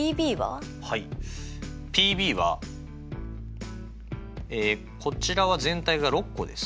はいＰはこちらは全体が６個ですね。